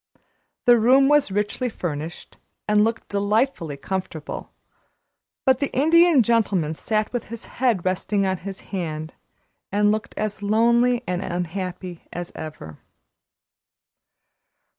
The room was richly furnished, and looked delightfully comfortable, but the Indian Gentleman sat with his head resting on his hand, and looked as lonely and unhappy as ever.